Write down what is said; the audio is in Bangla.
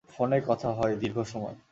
ফোনে কথা হয় দীর্ঘ সময়।